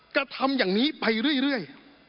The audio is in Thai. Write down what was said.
กระทำอย่างนี้ไปเรื่อย